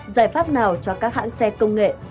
giải pháp nào cho các hãng xe công nghệ